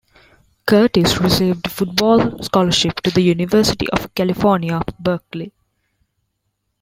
Curtis received a football scholarship to the University of California, Berkeley.